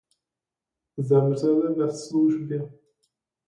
Zemřeli ve službě.